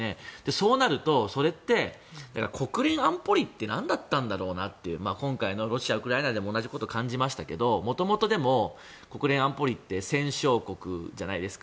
そうなると国連安保理って何だったんだろうなっていう今回のロシア、ウクライナでも同じことを感じましたがもともと国連安保理って戦勝国じゃないですか。